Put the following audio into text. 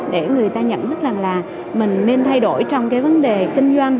để người ta nhận thức rằng là mình nên thay đổi trong cái vấn đề kinh doanh